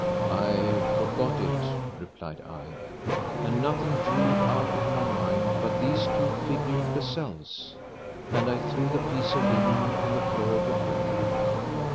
"I forgot it," replied I; "and nothing drove it out of my mind but these two figured gazelles." And I threw the piece of linen on the floor before her.